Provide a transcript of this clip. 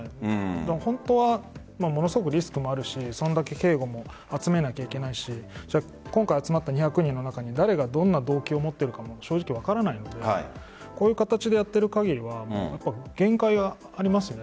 本当はリスクもあるしそれだけ警護も集めなきゃいけないし今回集まった２００人の中に誰がどんな動機を持ってるか分からないのでこういう形でやってる限りは限界がありますよね。